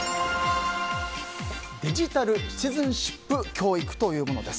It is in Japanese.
デジタル・シティズンシップ教育というものです。